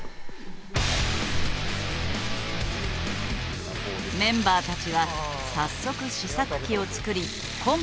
メンバーたちは早速試作機を作りコンペを行った。